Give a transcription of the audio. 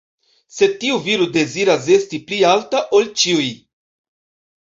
Sed tiu viro deziras esti pli alta ol ĉiuj.